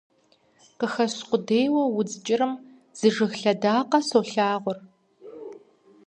Къыхэщ къудейуэ удз кӀырым, Зы жыг лъэдакъэ солъагъур.